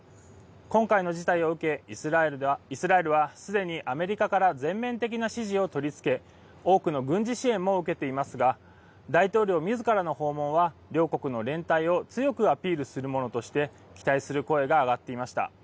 今回の事態を受けイスラエルはすでにアメリカから全面的な支持を取り付け多くの軍事支援も受けていますが大統領みずからの訪問は両国の連帯を強くアピールするものとして期待する声が上がっていました。